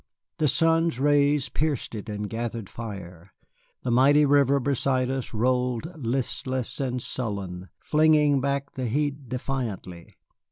The sun's rays pierced it and gathered fire; the mighty river beside us rolled listless and sullen, flinging back the heat defiantly.